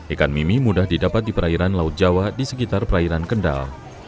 ikan mimi mudah didapat di perairan laut jawa di sekitar perairan kendal